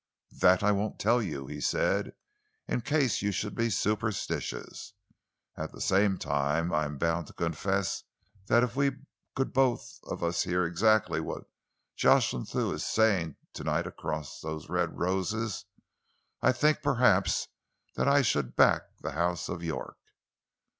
"That I won't tell you," he said, "in case you should be superstitious. At the same time, I am bound to confess that if we could both of us hear exactly what Jocelyn Thew is saying to night across those red roses, I think perhaps that I should back the House of York."